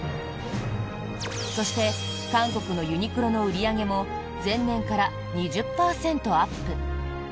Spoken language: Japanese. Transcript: そして韓国のユニクロの売り上げも前年から２０％アップ。